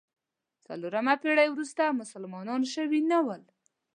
څلور پېړۍ وروسته مسلمانان شوي نه ول.